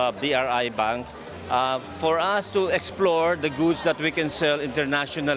untuk mengembangkan produk yang bisa kita jual internasional